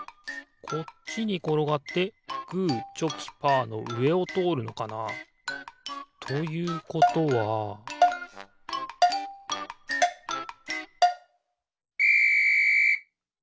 こっちにころがってグーチョキパーのうえをとおるのかな？ということはピッ！